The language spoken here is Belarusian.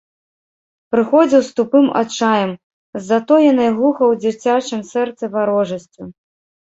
Прыходзіў з тупым адчаем, з затоенай глуха ў дзіцячым сэрцы варожасцю.